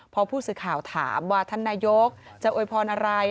พอผู้สื่อข่าวถามว่าท่านนายกจะโวยพรอะไร